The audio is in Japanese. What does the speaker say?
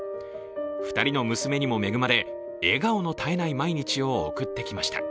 ２人の娘にも恵まれ笑顔の絶えない毎日を送ってきました。